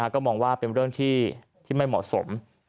ก็มองว่าเป็นเรื่องที่ไม่เหมาะสม